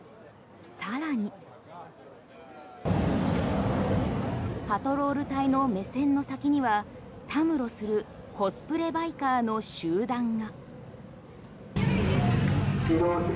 さらにパトロール隊の目線の先にはたむろするコスプレバイカーの集団が。